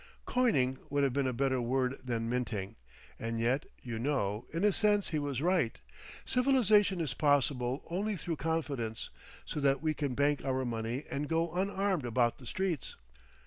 "Coining" would have been a better word than minting! And yet, you know, in a sense he was right. Civilisation is possible only through confidence, so that we can bank our money and go unarmed about the streets.